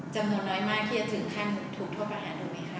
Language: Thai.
จะหมู่น้อยมากที่จะถึงผ้างถูกทบประหารถูกไหมคะ